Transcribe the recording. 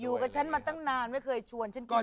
อยู่กับฉันมาตั้งนานไม่เคยชวนฉันกิน